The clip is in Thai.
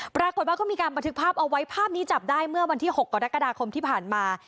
ปรากฏว่าก็มีการบันทึกภาพเอาไว้ภาพนี้จับได้เมื่อวันที่๖กรกฎาคมที่ผ่านมา